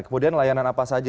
kemudian layanan apa saja